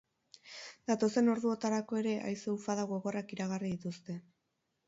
Datozen orduotarako ere haize ufada gogorrak iragarri dituzte.